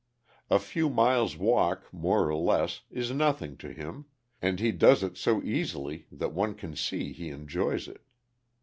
A few miles' walk, more or less, is nothing to him, and he does it so easily that one can see he enjoys it.